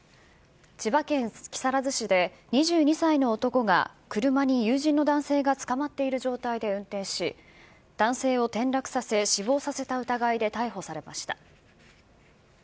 千葉県木更津市で、２２歳の男が、車に友人の男性がつかまっている状態で運転し、男性を転落させ、死亡させた疑いで逮捕されました。